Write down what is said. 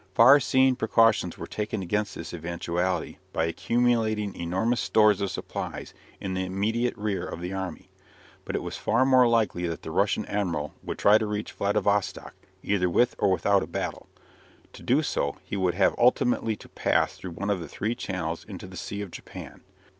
Far seeing precautions were taken against this eventuality by accumulating enormous stores of supplies in the immediate rear of the army. But it was far more likely that the Russian admiral would try to reach Vladivostock, either with or without a battle. To do so he would have ultimately to pass through one of three channels into the Sea of Japan.